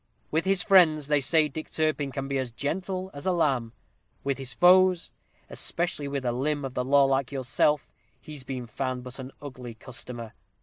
With his friends, they say Dick Turpin can be as gentle as a lamb; with his foes, especially with a limb of the law like yourself, he's been found but an ugly customer.